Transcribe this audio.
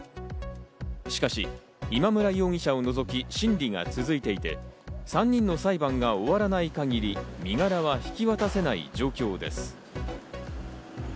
しかし今村容疑者を除き、審理が続いていて、３人の裁判が終わらない限り、身柄は引き渡せない状況です。